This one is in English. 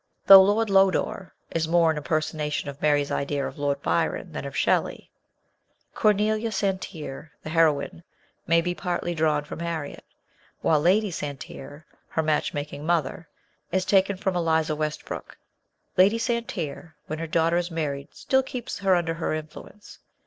Though Lord Lodore is more an impersona tion of Mary's idea of Lord Byron than of Shelley, Cornelia Santerre, the heroine, may be partly drawn from Harriet, while Lady Santerre, her match making mother, is taken from Eliza Westbrook. Lady Santerre, when her daughter is married, still keeps her under her influence.